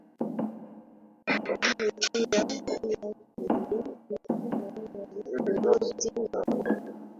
kwa hivyo pia huathiri mifumo ya ikolojia Na